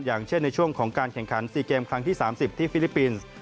อย่างเช่นในช่วงของการแข่งขัน๔เกมครั้งที่๓๐ที่ฟิลิปปินส์